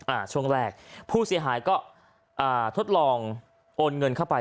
อ่าช่วงแรกผู้เสียหายก็อ่าทดลองโอนเงินเข้าไป